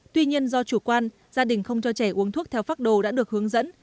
tuy nhiên do chủ quan gia đình không cho trẻ uống thuốc theo phác đồ đã được hướng dẫn